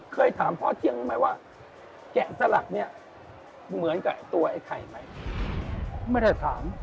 เคยถามพ่อเจียงไหมว่าแกะสลักเนี่ยเหมือนกับตัวไอ้ไข่ไหม